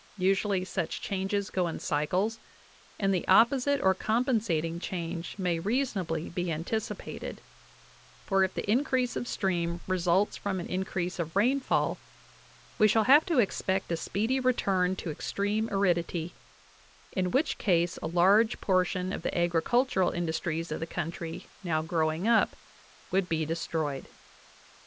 ... Usually such changes go in cycles, and the opposite or compensating change may reasonably be antici pated," for if the increase of streams results from an increase of rainfall, "we shall have to expect a speedy return to ex treme aridity, in which case a large portion of the agricultural industries of the country now growing up would be destroyed" (91).